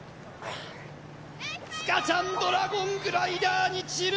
塚ちゃんドラゴングライダーに散る！